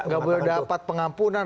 nggak boleh dapat pengampunan